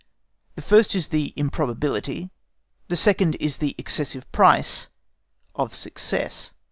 The first is the improbability, the second is the excessive price, of success.